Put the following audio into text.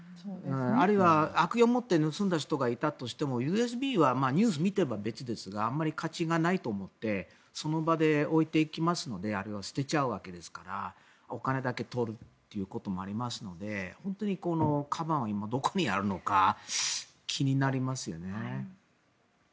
あるいは悪意を持って盗んだ人がいたとしてもＵＳＢはニュースを見てれば別ですがあまり価値がないと思ってその場で置いていきますのであるいは捨てちゃうわけですからお金だけ取るということもありますので本当にこのかばんは今どこにあるのか気になりますよね。